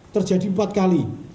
terjadi empat kali